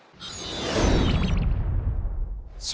สวัสดีครับ